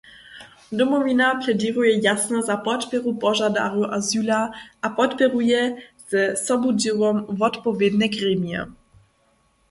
Domowina pleděruje jasnje za podpěru požadarjow azyla a podpěruje ze subudźěłom wotpowědne gremije.